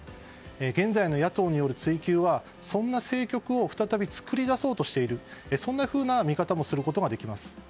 現在の野党による追及はそんな政局を再び作り出そうとしているそんなふうな見方もすることができます。